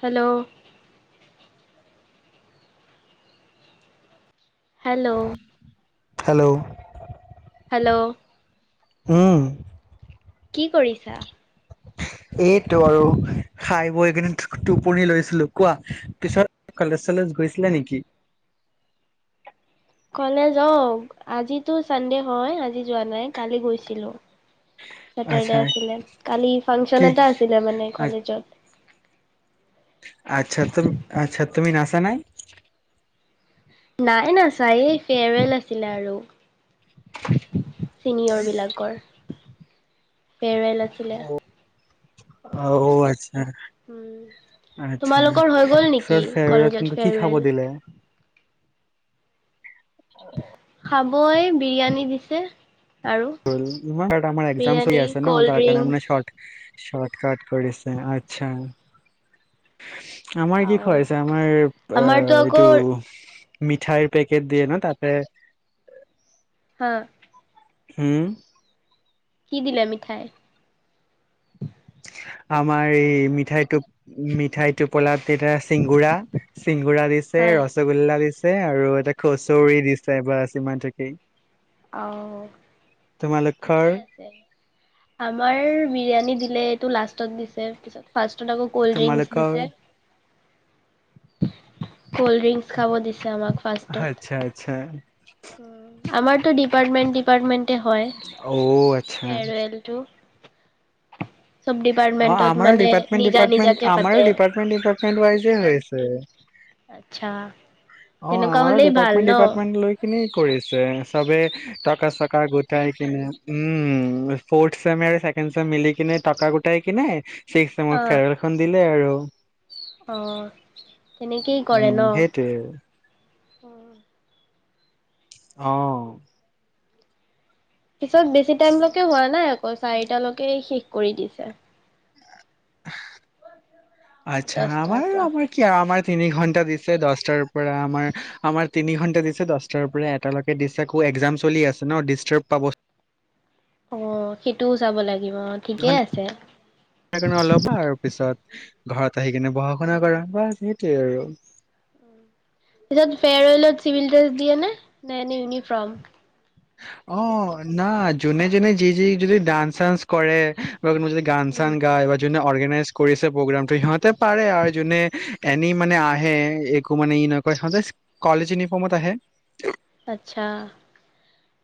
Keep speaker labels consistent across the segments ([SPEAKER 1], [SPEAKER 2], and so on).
[SPEAKER 1] Hello hello
[SPEAKER 2] hello
[SPEAKER 1] hello
[SPEAKER 2] উম।
[SPEAKER 1] কি কৰিছা?
[SPEAKER 2] এইটো আৰু খাই বৈ কিনি টো টোপনি লৈছিলোঁ, কোৱা, পিছত কলেজ-চলেজ গৈছিলা নেকি?
[SPEAKER 1] কলেজ অ', আজিতো চানডে হয়, আজি যোৱা নাই, কালি গৈছিলোঁ।
[SPEAKER 2] আচ্ছা
[SPEAKER 1] চেটাৰডে আছিলে, কালি
[SPEAKER 2] কি
[SPEAKER 1] ফাংচন এটা আছিলে মানে কলেজত।
[SPEAKER 2] আচ্ছা তুম আচ্ছা তুমি নাচা নাই?
[SPEAKER 1] নাই নাচা, এই ফেয়াৰৱেল আছিলে আৰু। ছিনিয়ৰ বিলাকৰ। ফেৱাৰৱেল। আছিলে।
[SPEAKER 2] আও আজি।
[SPEAKER 1] উম।
[SPEAKER 2] আ আচ্ছা
[SPEAKER 1] তোমালোকৰ হৈ গ'ল
[SPEAKER 2] চ
[SPEAKER 1] নেকি কলেজত
[SPEAKER 2] ফেৱাৰৱেলত কি খাব
[SPEAKER 1] ফেয়াৰৱেল?
[SPEAKER 2] দিলে? [inaudible]
[SPEAKER 1] অই বিৰিয়ানী দিছে। আৰু
[SPEAKER 2] [unintelligible] আমাৰ তাৰমানে এক্সাম চলি
[SPEAKER 1] বিৰিয়ানী,
[SPEAKER 2] আছে ন',
[SPEAKER 1] ক'ল্ড
[SPEAKER 2] তাৰ কাৰণে
[SPEAKER 1] ড্ৰিংকচ
[SPEAKER 2] আপোনাৰ শৰ্ট। চৰ্টকাট কৰিছে। আচ্ছা। আমাৰ কি
[SPEAKER 1] আৰু
[SPEAKER 2] খোৱাইছে, আমাৰ
[SPEAKER 1] আমাৰতো
[SPEAKER 2] অ',
[SPEAKER 1] আকৌ
[SPEAKER 2] এইটো। মিঠাইৰ পেকেট দিয়ে ন', তাতে।
[SPEAKER 1] হা
[SPEAKER 2] হুম।
[SPEAKER 1] কি দিলে মিঠাই?
[SPEAKER 2] আমাৰ এই মিঠাইটো। উ মিঠাই টোপোলাত তেতিয়া চিংগুৰা, চিংগুৰা দিছে
[SPEAKER 1] হয়।
[SPEAKER 2] ৰসগোল্লা দিছে। আৰু এটা কচোৰি দিছে, বাচ ইমানটোকে।
[SPEAKER 1] অ',
[SPEAKER 2] তোমালোকৰ
[SPEAKER 1] ঠিকেই আছে আমাৰ বিৰিয়ানী। লে, এইটো লাষ্টত দিছে, পিছত ফাষ্ট। আকৌ কল্ড ড্ৰিংকচ
[SPEAKER 2] তোমালোকৰ
[SPEAKER 1] দিছে। কল ড্ৰিংকচ খাব দিছে। আমাক ফাৰ্ষ্টত,
[SPEAKER 2] আচ্ছা আচ্ছা।
[SPEAKER 1] আমাৰতটো ডিপাৰ্মেণ্ট ডিপাৰ্মেণ্ট। হয়
[SPEAKER 2] অ আচ্ছা
[SPEAKER 1] ফেয়াৰৱেলটো।
[SPEAKER 2] অ আমাৰ
[SPEAKER 1] মানে
[SPEAKER 2] ডিপাৰ্টমেন্ট
[SPEAKER 1] নিজা নিজাকে
[SPEAKER 2] ডিপাৰ্টমেণ্ট
[SPEAKER 1] পাতে।
[SPEAKER 2] আমাৰো ডিপাৰ্টমেন্ট ডিপাৰ্টমেন্ট ৱাইজে হৈছে
[SPEAKER 1] আচ্ছা
[SPEAKER 2] অ
[SPEAKER 1] তেনেকুৱা
[SPEAKER 2] আমাৰো
[SPEAKER 1] হ'লেই ভাল
[SPEAKER 2] ডিপাৰ্টমেন্ট
[SPEAKER 1] ন?
[SPEAKER 2] ডিপাৰ্টমেন্ট লৈ কিিনি কৰিছে চবে টকা চকা গোটাই কিনে উে মিল কা গোটাই কিনে চিকছে মোক ফেৰেলখন দিলে আৰু হয়
[SPEAKER 1] অঁ তেনেকেই কৰে
[SPEAKER 2] উম
[SPEAKER 1] ন
[SPEAKER 2] সেইটোৱে
[SPEAKER 1] অ
[SPEAKER 2] অ
[SPEAKER 1] পিছত বেছি টাইমলৈকে হোৱা নাই অকল চাৰিটালৈকে শেষ কৰি দিছে
[SPEAKER 2] [inaudible] আচ্ছা
[SPEAKER 1] দছটাৰ
[SPEAKER 2] আমাৰ
[SPEAKER 1] পৰা,
[SPEAKER 2] আমাৰ কি আমাৰ তিনি ঘন্টা দিছে দছটাৰ পৰা আমাৰ আমাৰ তিনি ঘন্টা দিছে দছটাৰ পৰা এটালৈকে দিছে খু এক্জাম চলি আছে ন ডিষ্টাৰ্ব পাব
[SPEAKER 1] অ সেইটোও চাব লাগিব অ ঠিকেই আছে
[SPEAKER 2] সকাৰণে ল'বা আৰু পিছত ঘত ত সেই কেনে পঢ়াুনা কৰা বা এই
[SPEAKER 1] িত ফেৰেলত চিভিল ড্ৰে দিয়ে নে নাই এনে ইউনিফৰ্ম
[SPEAKER 2] অ ন জোনে জোনে যি যি যদি ডান্স চান্স কৰে মে গান
[SPEAKER 1] উম,
[SPEAKER 2] গাই বা যু অৰ্গনাইজ কৰি প্ৰগ্ৰ সিহতে পাৰে আৰু যোনে এ মানে আহে একো মানে ই নকৰে সহতে কলেজ ইনিফৰ্মত আহে
[SPEAKER 1] আ্ছা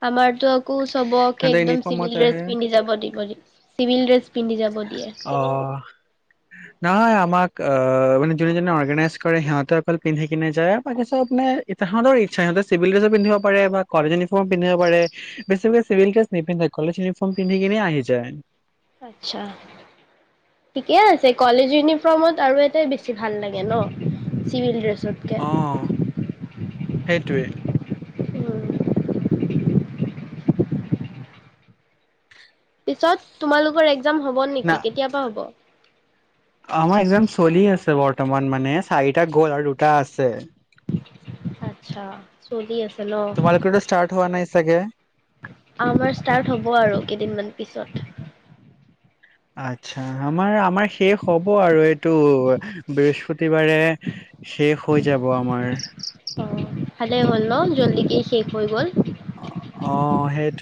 [SPEAKER 1] আমাৰটোো আকৌ চবকে
[SPEAKER 2] সিহঁতে
[SPEAKER 1] একদম
[SPEAKER 2] ইউনিফৰ্মত
[SPEAKER 1] চিভিল ড্ৰেছ
[SPEAKER 2] আহে
[SPEAKER 1] পিন্ধি যাব দিব চিভিল ড্ৰেছ পিন্ধি যাব দিয়ে
[SPEAKER 2] নাই আমাক আহ মানে যোনে জোনে অৰ্গেনাইজ কৰে সিহঁতে অকল পিন্ধি কিনে যায় বাকব ইঁতৰ ইচ্ছা সিহঁতে চিভিল্ৰেছে পিন্ধিব পাৰে বা কলেজ ইউনিফৰ্ম পিন্ধিব পাৰেে চিভিল্ৰে পিন্ধ কলেজ ইউনিফৰ্ম পিন্ধি কিিননে আহি যায়
[SPEAKER 1] আা ঠিকে আছে কলেজ ইউনিফৰ্মত আৰু এ বেছি ভাল লাগে ন চিভিল ড্ৰেছতকে।
[SPEAKER 2] আহ সেইটোৱেই
[SPEAKER 1] পিছত তোমালোকৰ এক য হ'ব
[SPEAKER 2] না
[SPEAKER 1] নেকি কেতিয়াবা হ'ব
[SPEAKER 2] আমাৰ একদাম চলি আছে বৰ্তমান মানে চাৰিটা গ'ল আৰু দুটা আছে
[SPEAKER 1] আচছা চধি আছে ন
[SPEAKER 2] তোমালোকৰতো ষ্টাৰ্ট হোৱা নাই চাগে
[SPEAKER 1] আমাৰ ষ্টাৰ্ট হব আৰু কেইদিনমান পিছত
[SPEAKER 2] আচ্ছা আমাৰ আমাৰ শেষ হব আৰু এইটো বৃহস্পতিবাৰে শেষ হৈ যাব আমাৰ
[SPEAKER 1] ভালে হ'ল ন জল্দি কি শেষ হৈ গ'ল
[SPEAKER 2] অ', সেইটোৱে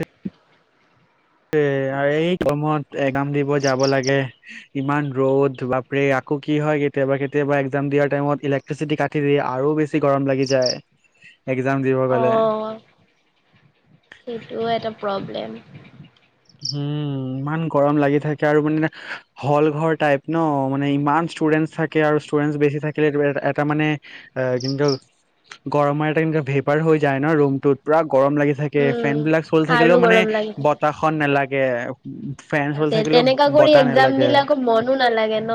[SPEAKER 2] এই গৰমত এক্জাম দিব যাব লাগে ইমান ৰ'দ বাপৰে আকৌ কি হয় কেতিয়াবা কেতিয়াবা এক্জাম দিয়াৰ টাইমত ইলেক্ট্ৰিচিটি কাটি দিয়ে আৰু বেছি গৰম লাগি যায় এক্সাম দিব
[SPEAKER 1] অ
[SPEAKER 2] গ'লে
[SPEAKER 1] সেইটো এটা প্ৰব্লেম
[SPEAKER 2] উম ইমান গৰম লাগি থাকে আৰু মানে এটা হল ঘৰ টাইপ ন মানে ইমান ষ্টুডেন্টচ থাকে আৰু ষ্টুডেন্টচ বেছি থাকিলে এটা মানে অ কিন্তু গৰমৰ এটা ভেপাৰ হৈ যায় ন ৰুমটোত পুৰা গৰ লাগি থাকে ফেন
[SPEAKER 1] উম
[SPEAKER 2] বিিলাক চ
[SPEAKER 1] আৰু
[SPEAKER 2] থাকিলেও মানে
[SPEAKER 1] গৰম লাগি থাকে।
[SPEAKER 2] বতাহ তাগে ফেনল
[SPEAKER 1] তে
[SPEAKER 2] থাকিলেও
[SPEAKER 1] তেনেকা কৰি
[SPEAKER 2] বতাহ
[SPEAKER 1] এক্জাম
[SPEAKER 2] নেলাগে
[SPEAKER 1] দিলে আকৌ মনো নালাগে ন।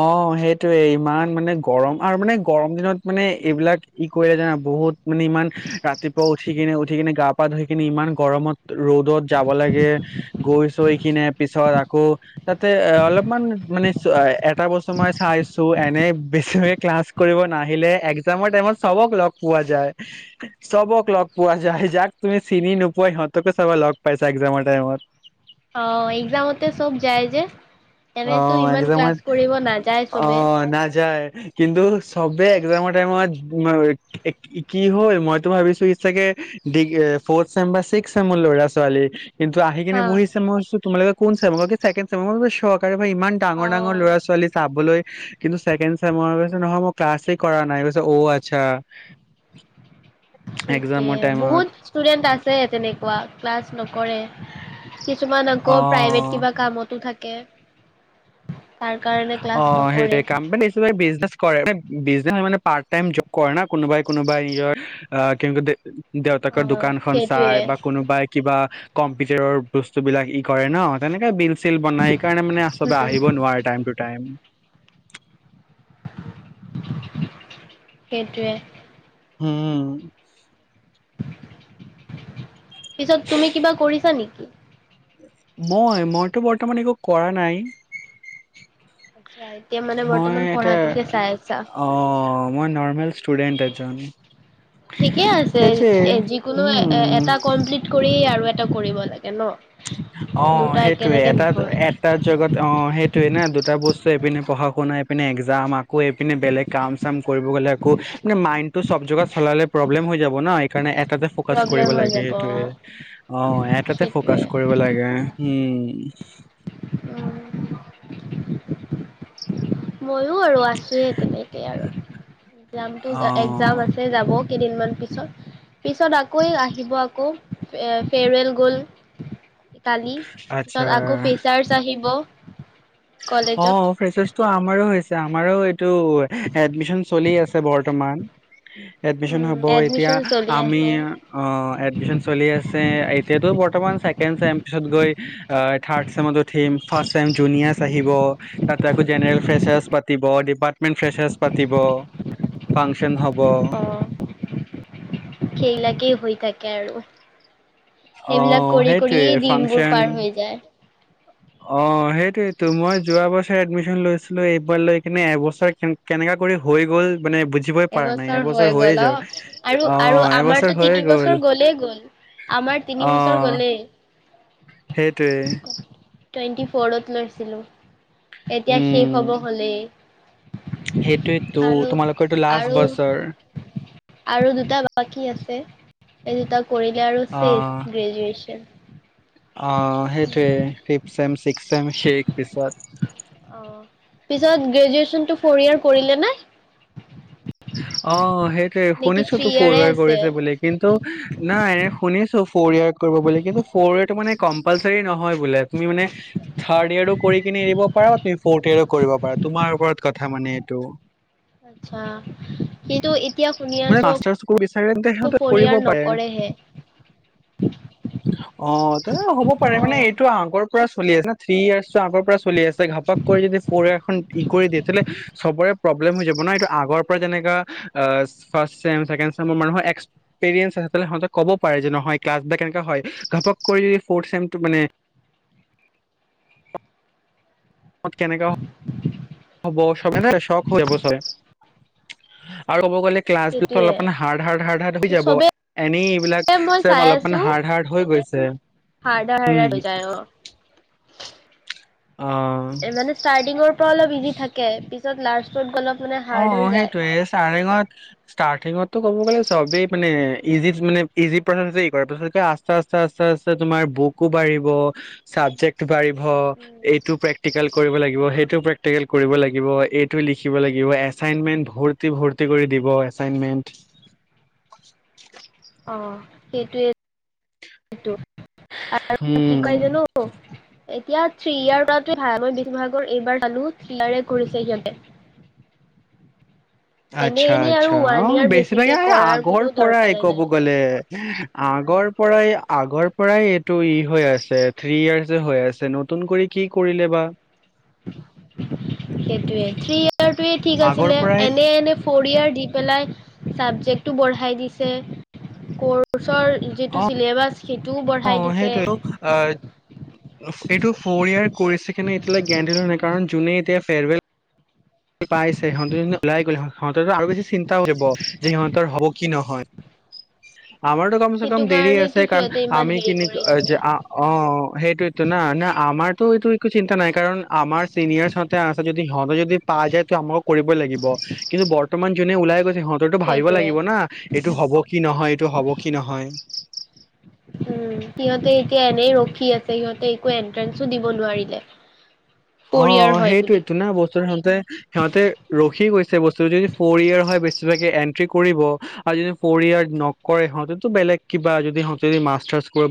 [SPEAKER 2] অ সেইটোোৱেই ইমান মানে গৰম আৰু মানে গৰম দিনত মানে এইবিলাক ই কৰিলে জানা বহুত মানে ইমান ৰাতিপুৱা উঠি কিনে উঠি কিনে গা পা ধুই কিনে ইমান গৰমত ৰ'দত যাব লাগে গৈছো স কিনে পিছত আকৌ তাতে এ অলপমান মানে এটা বছ্তৰ মই চাইছো এনে বেছিভ ক্লাছ কৰিব নাহিলে এক্জামৰ টাইমত চবক লগ পোৱা যায় চবক লগ পোৱা যায় যাক তুমি চিনি নোপোৱা সিহঁতকো চবক লগ পইচা এক্জামৰ টাইমত
[SPEAKER 1] অ এক্জামতে চব যায় যে
[SPEAKER 2] অ
[SPEAKER 1] এনেতো ইমান
[SPEAKER 2] এক্জামৰ
[SPEAKER 1] ক্লাছ কৰিব নাযায় চবে
[SPEAKER 2] সবে এক্জামৰ টাইমত কি হ'ল মইতো ভাবিছো ইচ্ছাগে ফৰ্ চেম বা ছিক্স চেম লৰা ছোৱালী কিন্তু আহি কিনে
[SPEAKER 1] হা
[SPEAKER 2] বহি মইছো তোমালোকে কোন চেমাকে সহকাৰে ইমান ডাঙৰ ডাঙৰ ল'ৰা ছোৱালী চাবলৈ কিন্তুকে নহয় মই ক্লা কৰা নাই অ আছা
[SPEAKER 1] সেইটোয়ে বহুত ষ্টুডেন্ট আছে তেনেকুৱা ক্লাছ ন কিছুমান আকৌ প্ৰাইভেট
[SPEAKER 2] অ
[SPEAKER 1] কিবা কামতো থাকে এক একে
[SPEAKER 2] অ সেইটোয়ে কাম পান বিজনেচ কৰে বিনে মানে পাৰ্ট টাই জব কৰে না কোনোবাই কোনোবাই নিজৰ কি
[SPEAKER 1] অ
[SPEAKER 2] দেউতাকৰ দোকান খন চাই
[SPEAKER 1] সেইটোৱে
[SPEAKER 2] বা কোনোবাইক কিবা কম্পিউটাৰৰ বস্তু বিলাক ই কৰে ন তেনেকে বিল ছিল বনাই সেই কাৰণে মানে আ চব
[SPEAKER 1] উম
[SPEAKER 2] আহিব নোৱাৰে টাইমত টাইম
[SPEAKER 1] সেইটোৱে
[SPEAKER 2] উম
[SPEAKER 1] পিছত তুমি কিবা কৰিছা নেকি
[SPEAKER 2] মই মইতো বৰ্তমান একো কৰা নাই
[SPEAKER 1] আা এতিয়া মানে
[SPEAKER 2] মই
[SPEAKER 1] বৰ্তমান
[SPEAKER 2] এটা
[SPEAKER 1] পঢ়টোোকে চাই আছা
[SPEAKER 2] অ মই নৰ্মেল ষ্টুডেন্ট এজন
[SPEAKER 1] ঠিকে আছে
[SPEAKER 2] সেইটোৱে
[SPEAKER 1] এ যিকোনো এ
[SPEAKER 2] উম
[SPEAKER 1] এটা কমপ্লিট কৰি আৰু কৰিব লাগে ন
[SPEAKER 2] অ
[SPEAKER 1] দুটা
[SPEAKER 2] সেইটোয়ে
[SPEAKER 1] একেলগে
[SPEAKER 2] এটা
[SPEAKER 1] নহয়
[SPEAKER 2] এটা জগত অ সেইটোয়ে না দুটা বস্তু এইপিনে পঢ়া শুনা এইপিনে এক্জাম আকৌ এইপিনে বেলেগ কাম চাম কৰিব গ'লে আকৌ মানে মাইণ্ডতটো চব জগাত চলালে প্ৰব্লেম হৈ যাব ন সকাৰণে এটাতে ফকাচ কৰিব
[SPEAKER 1] প্ৰব্লেম হৈ
[SPEAKER 2] লাগে
[SPEAKER 1] যাব
[SPEAKER 2] সেইটোয়ে অ এটাতে ফকাচ
[SPEAKER 1] সেইটোৱে
[SPEAKER 2] কৰিব লাগে উম
[SPEAKER 1] ময়ো আৰু আছোহে তেনেকে আৰু একজামটো
[SPEAKER 2] অ
[SPEAKER 1] একগ্জাম আছে যাব কেইদিনমান পিছত পিছত আকৌ আহিব আকৌ ফেৰৱেল গ'ল কালি
[SPEAKER 2] আচ্ছা
[SPEAKER 1] পিছত আকৌ ফেচাৰছ আহিব
[SPEAKER 2] অ
[SPEAKER 1] কলেজত
[SPEAKER 2] ফ্ৰেচছটো আমাৰো হৈছে যে আমাৰো টো এডমিচন চলি আছে বৰ্তমান এডমিশন হ'ব এতিয়া
[SPEAKER 1] এডমিশন চলি
[SPEAKER 2] আমি
[SPEAKER 1] আছে
[SPEAKER 2] অ এডমিচন চলি আছে এতিয়াতো বৰ্তমান চ ম পিছত গৈ থাৰড চছেমত উঠিম ফাৰ চেম জুনিয়াৰ াকৌ জেনেল পাতি ডপাৰ্ন্ ফাৰ পাতি ফাংন হব বা
[SPEAKER 1] সেইিলাকেই হৈ থাকে আৰু
[SPEAKER 2] অ
[SPEAKER 1] এইবিলাক কৰি কৰি
[SPEAKER 2] সেইটোৱে
[SPEAKER 1] দিনবোৰ
[SPEAKER 2] ফাংচন
[SPEAKER 1] পাৰ হৈ যায়
[SPEAKER 2] অ সেইটোো মই যোৱা বছৰ এডমিশন লৈছিলো এইবাৰ লৈ কিনে এবছৰ কে কেনেকাা কৰি হৈ গ'ল মানে বুজিবই পৰা নাই
[SPEAKER 1] এবছৰ হৈ
[SPEAKER 2] হৈয়ে
[SPEAKER 1] গ'ল অ
[SPEAKER 2] যাও
[SPEAKER 1] আৰু
[SPEAKER 2] অ
[SPEAKER 1] আৰু
[SPEAKER 2] এবছৰ
[SPEAKER 1] আমাৰতো
[SPEAKER 2] হৈয়ে
[SPEAKER 1] তিন
[SPEAKER 2] গ'ল
[SPEAKER 1] বছৰ গলেই গ'ল আমাৰ তিন
[SPEAKER 2] অ
[SPEAKER 1] বছৰ গলেই
[SPEAKER 2] সেইটোৱে
[SPEAKER 1] টুৱেণ্টি ফ'ৰত লৈছিলোঁ এতিয়া শেষ হ'ব
[SPEAKER 2] উম
[SPEAKER 1] হ'লেই
[SPEAKER 2] সেইটোয়েইতো
[SPEAKER 1] আৰু
[SPEAKER 2] তোমালোকৰো লাজষ্ট
[SPEAKER 1] আৰু
[SPEAKER 2] পাঁচ বছৰ
[SPEAKER 1] আৰু দুটা বাকী আছে এই দুটা কৰিলে আৰু
[SPEAKER 2] অ
[SPEAKER 1] চ গ্ৰেজুৱেচন
[SPEAKER 2] অ সেইটোৱে ফিফ চেম ছিক্স চেম সেই পিছত
[SPEAKER 1] অ পিছত গ্ৰেজুৱেনটো ফ ইয়াৰ কৰিলে নাই
[SPEAKER 2] অ সেইটোৱে শুনিছো ত
[SPEAKER 1] ইয়েৰে
[SPEAKER 2] ফৰাৰড
[SPEAKER 1] আছে?
[SPEAKER 2] কৰিছে বুলি কিন্তু নাই এনে শুনিছো ফ'ৰ ইয়াৰ কৰিব বুলি কিন্তু ফ'ৰ ইয়াৰটো মানে কম্পালচাৰী নহয় বোলে তুমি মানে থাৰ্ড ইয়েো কৰি কিনে এৰিব তুমি ফ্ত কৰিব পাৰা তোমাৰ ওপৰত কথা মানে এইটো
[SPEAKER 1] আচ্ছা এইটো
[SPEAKER 2] সিতে
[SPEAKER 1] ফ'ৰ ইয়াৰ নকৰেহে।
[SPEAKER 2] আহ হব পাৰে
[SPEAKER 1] অ
[SPEAKER 2] মানেটো আগৰ চল আছে থ্ৰী ইয়াৰ আগৰ পৰা চলি আছে ঘাপাক কৰি যদি পঢ এখন ই কৰি দিয় তেতি'লে চবৰে গ ফাৰ্ষ্ট চেম ছেকেণ্ড চেমৰ মানুহৰ এক্সপেৰিয়েঞ্চ আছে তোহে সহঁতক ক'ব পাৰে যে নহয় ক্লাছ বা কেনেকুৱা হয় ঘাপক কৰি য ফ'ৰ্থ চেমটো মানে কেনেকা হব চবে ন চখ হৈ যাব চবে আৰু ক'ব গ'লে ক্লাছ বি
[SPEAKER 1] সেইটোয়ে
[SPEAKER 2] অলপ হাৰ্ড হাৰ্ড হাৰ্ড হাৰ্ড হৈ যাব
[SPEAKER 1] চবে
[SPEAKER 2] এনে এইবিলাক
[SPEAKER 1] মই
[SPEAKER 2] চম
[SPEAKER 1] চাই
[SPEAKER 2] অলপমান
[SPEAKER 1] আছো
[SPEAKER 2] হাৰ্ড হাৰ্ড হৈ গৈছে
[SPEAKER 1] হাৰ্ডাৰ
[SPEAKER 2] উ
[SPEAKER 1] হাৰ্ডাৰ হৈ যায় অ এ মানে ষ্টাৰ্টিঙৰ পৰা অলপ ইজি থাকেি লত গলপ
[SPEAKER 2] অ সেইটোয়ে চাৰেঙত াৰ্ট ঠটো ক'ব গলে চবেই মানে ইজি মানে ইজি প্ৰচ কৰে আ আস্তে আস আ তমাৰ বুকো বাঢ়িব চাবজেক্ট বাঢ়িব এইটো প্ৰেক্টিকেল কৰিব লাগিব সেইটো প্ৰেক্টিকেল কৰিব লাগিব এইটো লিখিব লাগিব এচাইনমেন্ট ভৰ্তি ভৰ্তি কৰি দিব এচাইনমেন্ট
[SPEAKER 1] অ সেইটোৱে আৰু কি কয়
[SPEAKER 2] উম
[SPEAKER 1] জানো এতিয়া থ্ৰী ইয়াৰ পৰা ভ মই বি মহাগৰ এইবাৰ চালো থ্ৰী ইয়াৰে কৰিছে সিহঁতে এনে
[SPEAKER 2] আচ্ছা
[SPEAKER 1] এনে আৰু
[SPEAKER 2] আচ্ছা
[SPEAKER 1] ওৱান
[SPEAKER 2] অ
[SPEAKER 1] ইয়াৰ
[SPEAKER 2] বেছিভাগ
[SPEAKER 1] বেছিকে কৰাৰ
[SPEAKER 2] আগৰ
[SPEAKER 1] কোনো
[SPEAKER 2] পৰাই
[SPEAKER 1] দৰকাৰে
[SPEAKER 2] কব
[SPEAKER 1] নাই
[SPEAKER 2] গ'লে আগৰ পৰাই আগৰ পৰাই এইটো ই হৈ আছে থ্ৰী ইয়াৰ্চ হৈ আছে নতুন কৰি কি কৰিলে বা
[SPEAKER 1] [inaudible] সেইয়ে থয়য়ে ঠিক
[SPEAKER 2] আগৰ
[SPEAKER 1] আছিল
[SPEAKER 2] পৰাই
[SPEAKER 1] এনে এনে ফৰ ইয় পেলাই চাবজেক্টো বঢ়াই দিছে কৰ্চৰ যিটো
[SPEAKER 2] অ',
[SPEAKER 1] চিলেবাছ সেইটোও
[SPEAKER 2] অ
[SPEAKER 1] বঢ়াই দিছে।
[SPEAKER 2] সেইটোয়ে অ এইটো ফ'ৰ ইয়াৰ কৰিছে কেনে এতিয়ালৈ গেণ্ট ল নাই কাৰণ জোনেই এতিয়া ফেয়াৰৱেল পাইছে স ওলাই গ'লে সিহঁতৰ আৰু বেছি চিন্তাও কৰিব যে সিহঁতৰ হব কি নহয় আমাৰতো কম চ কম
[SPEAKER 1] সেইটো
[SPEAKER 2] দেৰি
[SPEAKER 1] কাৰণেতো
[SPEAKER 2] আছে কাৰণ
[SPEAKER 1] সিহঁতে ইমান
[SPEAKER 2] আমি
[SPEAKER 1] হেৰি
[SPEAKER 2] কিিন
[SPEAKER 1] কৰি আছে।
[SPEAKER 2] অ সেইটোতো ন না আমাৰ তো এইটো একো চিন্তা নাই কাৰণ আাৰ চিনিয়াৰছ সঁতে আচা যদি হয়ততে যদি পা যায় তো আমাকক কৰিবই লাগিব কিন্তু বৰ্তমান যোনে ওলাই গৈ সহতইতো ভাবিব
[SPEAKER 1] সেইটোৱে
[SPEAKER 2] লাগিব না এইটো হ'ব কি নহয় এইটো হ'ব কি নহয়
[SPEAKER 1] উম সিহঁতে এতিয়া এনেই ৰখি আছে সিহঁতে একো এন্ট্ৰেন্ঞ্চো দিব নোৱাৰিলে
[SPEAKER 2] অ
[SPEAKER 1] ফ'ৰ ইয়াৰ
[SPEAKER 2] অ
[SPEAKER 1] হয় বুলি।
[SPEAKER 2] সেইটোটো না বস্তু সিহঁতে সিহঁতে ৰখি গৈছে বস্তুটো যদি ফ'ৰ ইয়েৰ হয় বেছিভাগে এন্ট্ৰি কৰিব আৰু যদি ফ'ৰ ইয়োৰ নকৰে হিহতেটো বেলেগ কিবা যদি যদি মাষ্টাৰ